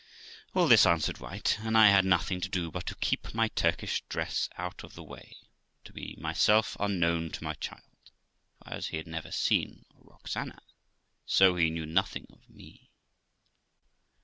All this answered right, and I had nothing to do but to keep my Turkish dress out of the way, to be myself unknown to my child, for as he had never seen Roxana, so he knew nothing of me.